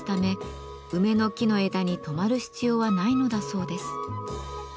梅の木の枝にとまる必要はないのだそうです。